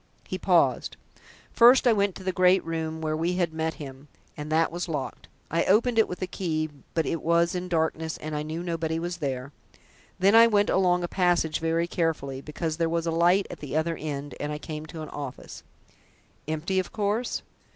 He paused. "First I went to the great room where we had met him, and that was locked. I opened it with a key, but it was in darkness, and I knew nobody was there. Then I went along a passage very carefully, because there was a light at the other end, and I came to an office." "Empty, of course?"